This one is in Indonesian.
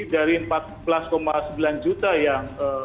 dari empat belas sembilan juta yang